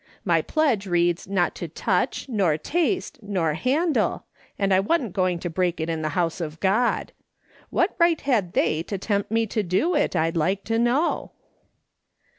My pledge reads not to touch, nor taste, nor handle, and I wa'n't going to break it in the house of God. What right had they to tempt me to do it, I'd like to know